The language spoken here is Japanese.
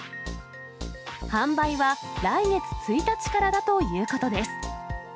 販売は来月１日からだということです。